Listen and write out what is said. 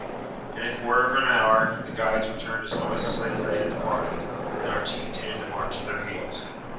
In a quarter of an hour the guides returned as noiselessly as they had departed, and Archie continued the march at their heels.